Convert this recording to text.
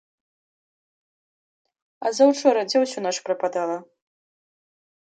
А заўчора дзе ўсю ноч прападала?